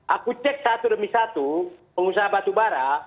aku cek satu demi satu pengusaha batubara